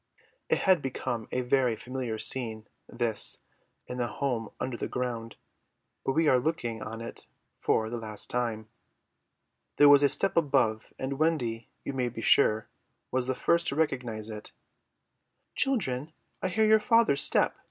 It had become a very familiar scene, this, in the home under the ground, but we are looking on it for the last time. There was a step above, and Wendy, you may be sure, was the first to recognize it. "Children, I hear your father's step.